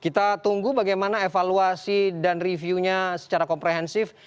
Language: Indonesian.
kita tunggu bagaimana evaluasi dan reviewnya secara komprehensif